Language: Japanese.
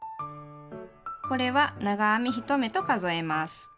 これは長編み１目と数えます。